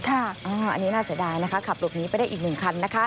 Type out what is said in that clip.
อันนี้น่าเศรษฐานะคะขับหลบนี้ไม่ได้อีก๑คันนะคะ